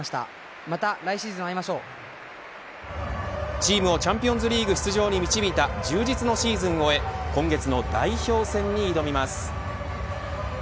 チームをチャンピオンズリーグ出場に導いた充実のシーズンを終え今月の代表戦に挑みます。